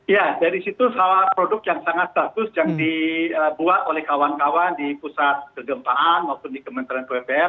ya dari situ salah produk yang sangat bagus yang dibuat oleh kawan kawan di pusat kegempaan maupun di kementerian pupr